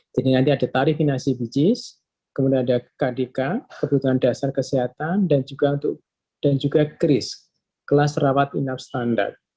jadi nanti ada tarif inah cbgs kemudian ada kdk kebutuhan dasar kesehatan dan juga kris kelas rawat inap standar